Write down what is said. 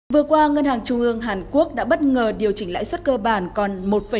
vừa qua ngân hàng trung ương hàn quốc đã bất ngờ điều chỉnh lãi suất cơ bản còn một năm